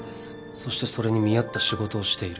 そしてそれに見合った仕事をしている。